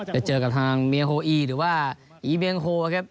จะเจอกับทางเมียโฮอีหรือว่าอีเบียงโฮครับ